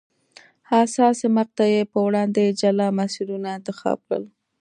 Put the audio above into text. حساسې مقطعې په وړاندې جلا مسیرونه انتخاب کړل.